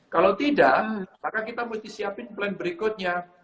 kalau tidak maka kita mau disiapin plan berikutnya